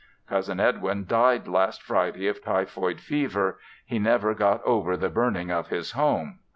Cousin Edwin died last Friday of typhoid fever, he never got over the burning of his home.